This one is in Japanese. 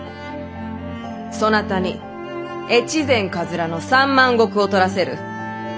そなたに越前野三万石を取らせる！